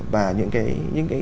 và những cái